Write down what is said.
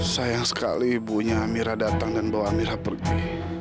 sayang sekali ibunya mira datang dan bawa amira pergi